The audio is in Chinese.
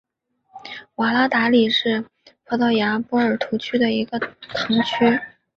瓦拉达里什是葡萄牙波尔图区的一个堂区。